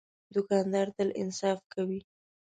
دوکاندار تل انصاف کوي.